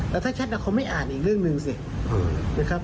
แต่ถ้าแชทเขาไม่อ่านอีกเรื่องหนึ่งสินะครับ